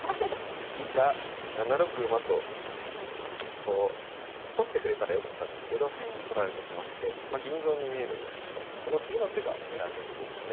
以下７六馬とこう取ってくれたらよかったんですけど取られてしまって銀損に見えるんですけどこの次の手が狙いの手でしたね。